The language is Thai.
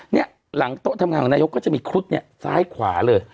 เนี่ยหลังโต๊ะทำงานของนายกก็จะมีครุฑเนี่ยซ้ายขวาเลย